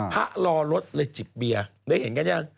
พะรอรถเลยจิบเบียร์ได้เห็นไหม